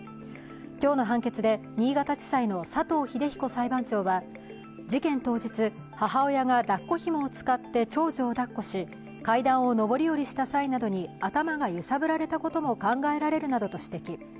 今日の判決で新潟地裁の佐藤英彦裁判長は事件当日、母親が抱っこひもを使って長女を抱っこし、階段を上り下りした際に頭を揺さぶられたことも考えられると指摘。